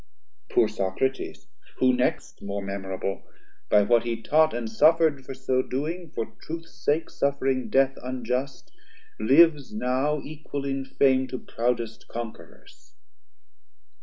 Poor Socrates (who next more memorable?) By what he taught and suffer'd for so doing, For truths sake suffering death unjust, lives now Equal in fame to proudest Conquerours.